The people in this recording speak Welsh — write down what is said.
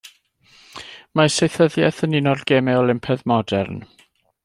Mae saethyddiaeth yn un o'r gemau Olympaidd modern.